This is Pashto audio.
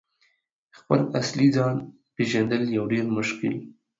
» خپل اصلي ځان « پیژندل یو ډیر مشکل